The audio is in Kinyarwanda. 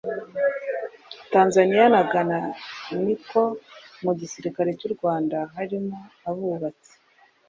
Tanzania na Ghana ni uko mu gisirikare cy’u Rwanda harimo abubatsi